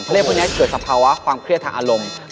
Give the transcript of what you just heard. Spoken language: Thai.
เรียกพวกนี้เกิดสภาวะความเครียดทางอารมณ์